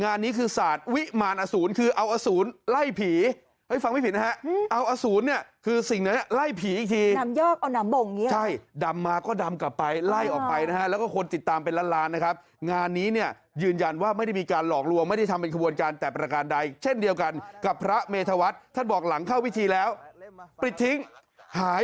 อันนี้คือส่องนักนี้เข้าใจนะ